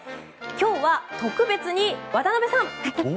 今日は特別に渡辺さん